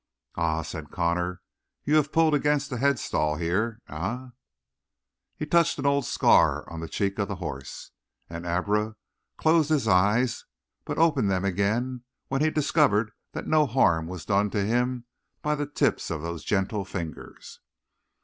"Ah," said Connor, "you have pulled against a headstall here, eh?" He touched an old scar on the cheek of the horse, and Abra closed his eyes, but opened them again when he discovered that no harm was done to him by the tips of those gentle fingers.